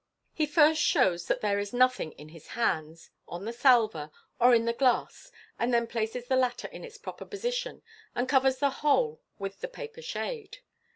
H* first 41 8 MODERN MA GIC shows that there is nothing in his hands, on the salver, or in the glass, and then places the latter in its proper position, and covers the whole with the paper shade.